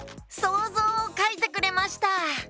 そうぞうをかいてくれました！